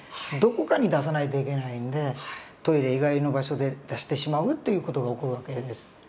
どこかに出さないといけないんでトイレ以外の場所で出してしまうっていう事が起こる訳です。